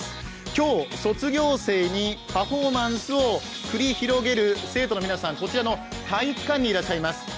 今日、卒業生にパフォーマンスを繰り広げる生徒の皆さん、こちらの体育館にいらっしゃいます。